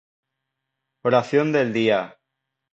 Oración del Día